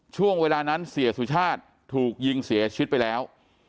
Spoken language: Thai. ช่วงเวลานั้นเสียสุชาติถูกยิงเสียชีวิตไปแล้ว